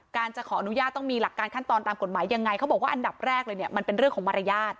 จะขออนุญาตต้องมีหลักการขั้นตอนตามกฎหมายยังไงเขาบอกว่าอันดับแรกเลยเนี่ยมันเป็นเรื่องของมารยาท